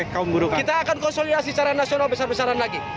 kita akan konsolidasi secara nasional besar besaran lagi